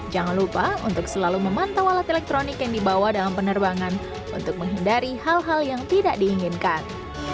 jangan lupa untuk selalu memantau alat elektronik yang dibawa dalam penerbangan untuk menghindari hal hal yang tidak diinginkan